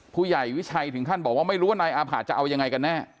ผู้ใหญ่วิชัยถึงขั้นบอกว่าไม่รู้ว่านายอาผะจะเอายังไงกันแน่